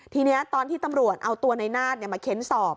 ทีนี้ตอนที่ตำรวจเอาตัวในนาฏมาเค้นสอบ